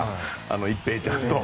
一平ちゃんと。